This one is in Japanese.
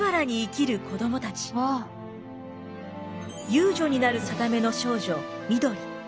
遊女になる定めの少女美登利。